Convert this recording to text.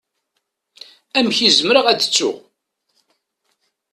Amek i zemreɣ ad t-ttuɣ?